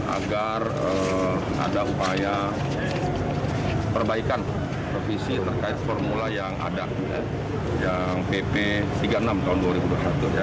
agar ada upaya perbaikan revisi terkait formula yang ada yang pp tiga puluh enam tahun dua ribu dua puluh satu